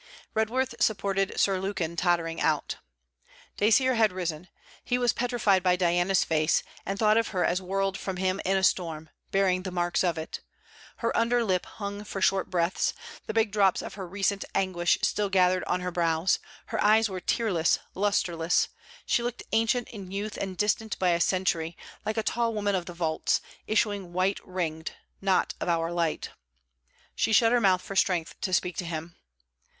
Redworth supported Sir Lukin tottering out. Dacier had risen. He was petrified by Diana's face, and thought of her as whirled from him in a storm, bearing the marks of it. Her underlip hung for short breaths; the big drops of her recent anguish still gathered on her brows; her eyes were tearless, lustreless; she looked ancient in youth, and distant by a century, like a tall woman of the vaults, issuing white ringed, not of our light. She shut her mouth for strength to speak to him.